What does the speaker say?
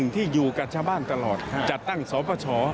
ที่อยู่กับชาวบ้านตลอดจัดตั้งสปช